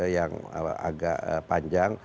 yang agak panjang